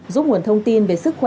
giúp nguồn thông tin về sức khỏe